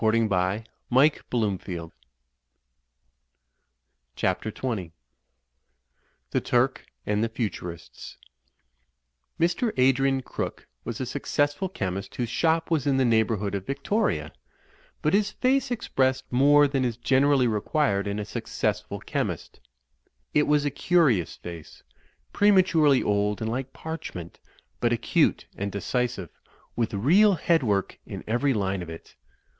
Digitized by CjOOQIC CHAPTER XX THE TURK AND THB FUTURISTS Mr. Adrian Crooke was a successful chemist whose shop was in the neighbourhood of Victoria, but his face expressed more than is generally required in a success f til chemist. It was a curious face, prematurely old and like parchment, but acute and decisive, with real headwork in every line of it.